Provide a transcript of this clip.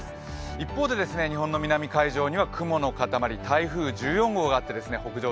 一方で日本の南海上には雲の塊台風１４号があります。